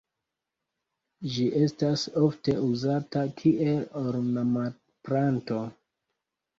Ĝi estas ofte uzata kiel ornamplanto.